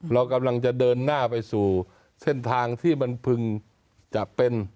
เรากำลังจะเดินหน้าไปสู่เส้นทางที่มันพึงจะเป็น